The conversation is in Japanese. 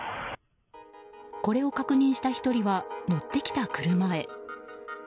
これを確認した１人は乗ってきた車へ。